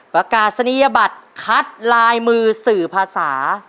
ประกาศนียบัตรคัดลายมือสื่อภาษา